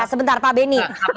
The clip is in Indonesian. sebentar pak benny